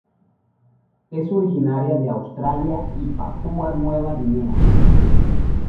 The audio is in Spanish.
Es originaria de Australia y Papúa Nueva Guinea.